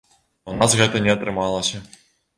А ў нас гэта не атрымалася.